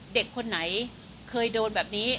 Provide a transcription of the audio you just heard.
เด็กคนไหนเคยโดนแบบนี้